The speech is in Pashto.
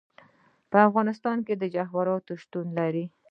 په افغانستان کې جواهرات شتون لري.